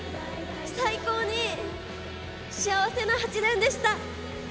最高に幸せな８年でした。